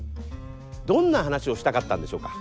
どんな話をしたかったんでしょうか？